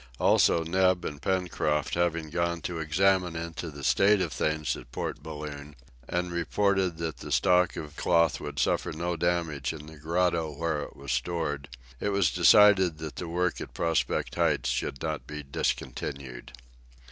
Also, Neb and Pencroft having gone to examine into the state of things at Port Balloon, and reported that the stock of cloth would suffer no damage in the grotto where it was stored, it was decided that the work at Prospect Heights should not be discontinued.